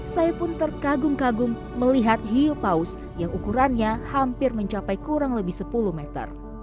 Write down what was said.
saya pun terkagum kagum melihat hiu paus yang ukurannya hampir mencapai kurang lebih sepuluh meter